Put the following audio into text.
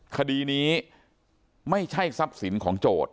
คดีนี้ไม่ใช่ทรัพย์สินของโจทย์